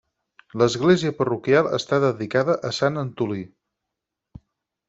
L'església parroquial està dedicada a Sant Antolí.